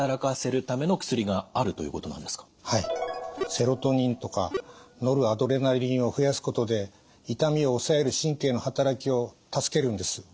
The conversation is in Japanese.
セロトニンとかノルアドレナリンを増やすことで痛みを抑える神経の働きを助けるんです。